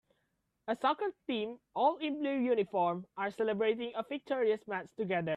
A soccer team, all in blue uniform, are celebrating a victorious match together.